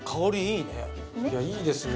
いやいいですね